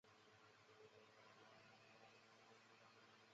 圣旺拉泰讷人口变化图示